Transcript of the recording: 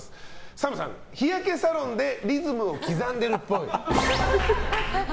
ＳＡＭさん、日焼けサロンでリズムを刻んでるっぽい。